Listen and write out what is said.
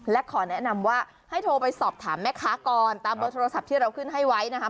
และขอแนะนำว่าให้โทรไปสอบถามแม่ค้าก่อนตามเบอร์โทรศัพท์ที่เราขึ้นให้ไว้นะคะ